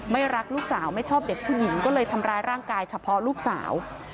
รักลูกสาวไม่ชอบเด็กผู้หญิงก็เลยทำร้ายร่างกายเฉพาะลูกสาว